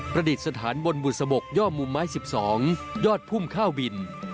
ประดิษฐานบนบุตสะบกย่อมุมไม้สิบสองยอดพุ่มข้าวบิน